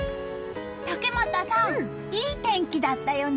竹俣さん、いい天気だったよね。